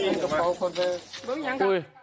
กี่อัลฟังกัน